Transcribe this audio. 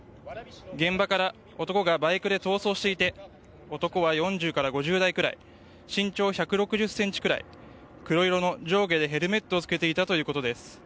現場から男がバイクで逃走していて男は４０から５０代くらい身長１６０ｃｍくらい黒色の上下でヘルメットを着けていたということです。